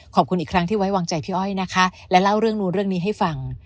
ขอบคุณอีกครั้งที่ไว้วางใจพี่อ้อยนะคะและเล่าเรื่องนู้นเรื่องนี้ให้ฟัง